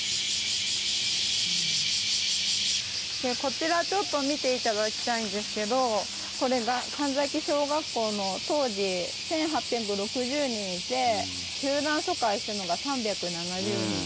こちら見ていただきたいんですけどこれが神崎小学校の当時１８６０人いて集団疎開してるのが３７０人。